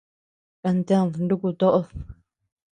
Kantèd nuku toʼod.